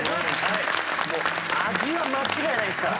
味は間違いないですから。